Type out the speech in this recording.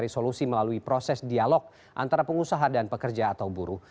mencari solusi melalui proses dialog antara pengusaha dan pekerja atau buruh